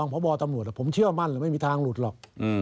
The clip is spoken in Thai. ผมเชื่อว่ามั่นไม่มีทางหลุดหรอก